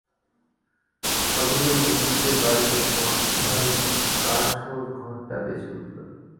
অদূরে মল্লিকদের বাড়িতে সন্ধ্যারতির কাঁসরঘণ্টা বেজে উঠল।